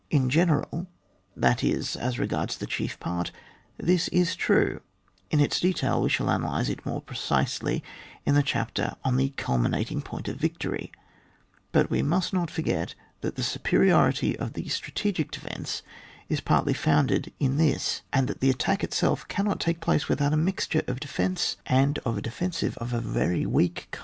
In general — that is, as regards the chief part — this is true : in its detail we shall analyse it more precisely in the chapter on the culminating point of victory ; but we mnst not forget that that superiority of the strategic defence is partly founded in this, that the attack itself can not take place without a mixture of de fence, and of a defensive of a very weak cuAP. n.] NATURE OF THE STRATEGICAL ATTACK.